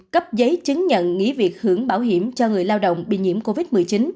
cấp giấy chứng nhận nghỉ việc hưởng bảo hiểm cho người lao động bị nhiễm covid một mươi chín